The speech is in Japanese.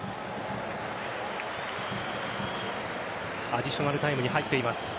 アディショナルタイムに入っています。